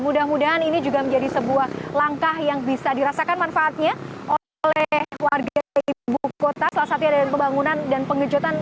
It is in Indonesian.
mudah mudahan ini juga menjadi sebuah langkah yang bisa dirasakan manfaatnya oleh warga ibu kota salah satunya adalah pembangunan dan pengejutan